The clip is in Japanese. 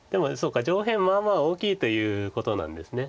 上辺まあまあ大きいということなんです。